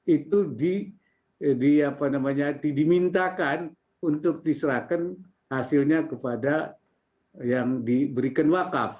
itu dimintakan untuk diserahkan hasilnya kepada yang diberikan wakaf